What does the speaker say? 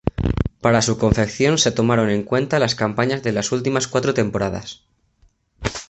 Para su confección se tomaron en cuenta las campañas de las últimas cuatro temporadas.